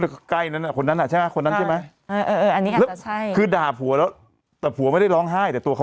เรียกว่าสาชาบ้านเขาเรียกว่าอะไรโอ้โหอีมดดำ